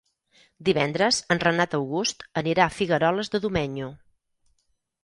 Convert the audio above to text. Divendres en Renat August anirà a Figueroles de Domenyo.